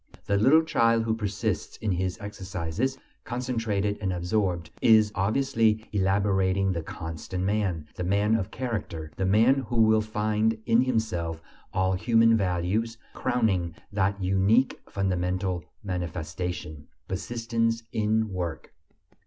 The little child who persists in his exercises, concentrated and absorbed, is obviously elaborating the constant man, the man of character, the man who will find in himself all human values, crowning that unique fundamental manifestation: persistence in work.